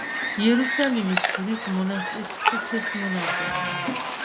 იერუსალიმის ჯვრის მონასტრის ხუცესმონაზონი.